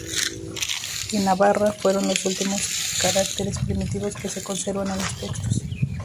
En Navarra fueron los últimos caracteres primitivos que se conservan en los textos.